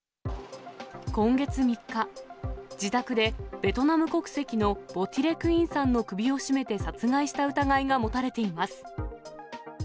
今月３日、自宅でベトナム国籍のヴォ・ティ・レ・クインさんの首を絞めて殺害した疑いが持たれています。